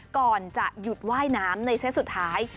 ก่อนจะหยุดว่ายน้ำในเซตสุดท้าย